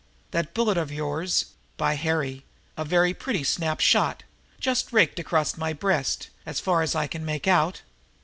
That bullet of yours by Harry, a very pretty snap shot just raked across my breast, as far as I can make out.